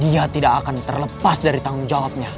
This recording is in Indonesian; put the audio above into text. ia tidak akan terlepas dari tanggung jawabnya